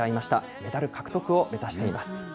メダル獲得を目指しています。